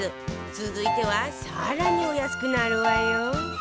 続いては更にお安くなるわよ